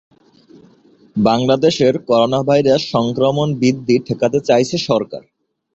বাংলাদেশে করোনাভাইরাস সংক্রমণ বৃদ্ধি ঠেকাতে চাইছে সরকার।